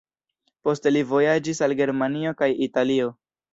Poste li vojaĝis al Germanio kaj Italio.